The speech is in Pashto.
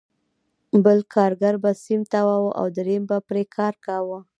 بل کارګر به سیم تاواوه او درېیم به پرې کاوه